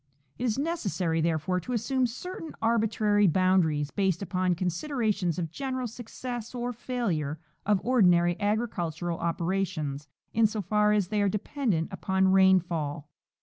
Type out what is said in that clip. It is necessary, therefore, to assume certain arbitrary boundaries based upon considerations of general success or failure of ordi nary agricultural operations in so far as they are dependent upon rainfall.